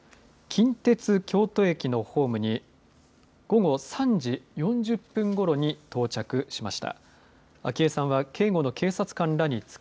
近鉄京都駅のホームに午後３時４０分ごろに到着しました。